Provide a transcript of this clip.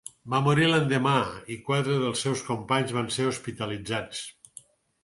Va morir l'endemà i quatre dels seus companys van ser hospitalitzats.